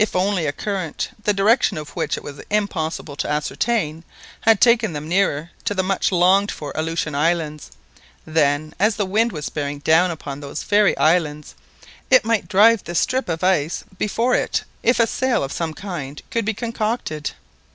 If only a current, the direction of which it was impossible to ascertain, had taken them nearer to the much longed for Aleutian Islands, then, as the wind was bearing down upon those very islands, it might drive the strip of ice before it if a sail of some kind could be concocted.